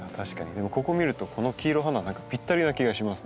でもここを見るとこの黄色い花は何かぴったりの気がしますね。